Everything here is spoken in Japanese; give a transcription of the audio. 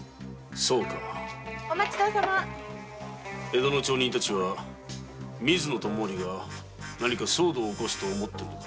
江戸の町人たちは水野と毛利が騒動を起こすと思っているのか？